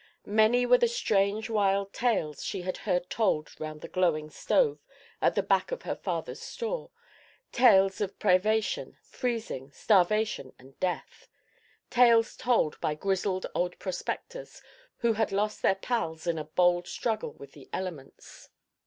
Many were the strange, wild tales she had heard told round the glowing stove at the back of her father's store; tales of privation, freezing, starvation and death; tales told by grizzled old prospectors who had lost their pals in a bold struggle with the elements.